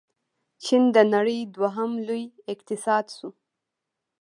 چین د نړۍ دویم لوی اقتصاد شو.